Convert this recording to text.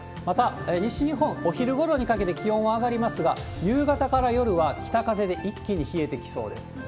また、西日本、お昼ごろにかけて気温は上がりますが、夕方から夜は北風で一気に冷えてきそうです。